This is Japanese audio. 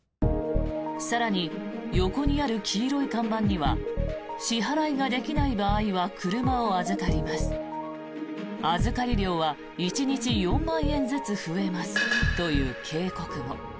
更に、横にある黄色い看板には支払いができない場合は車を預かります預かり料は１日４万円ずつ増えますという警告も。